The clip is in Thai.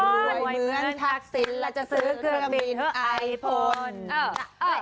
รวยเหมือนทักศิลป์แล้วจะซื้อเครื่องบินไอโฟนเอ่อเอ่อเอ่อ